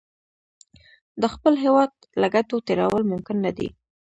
د خپل هېواد له ګټو تېرول ممکن نه دي.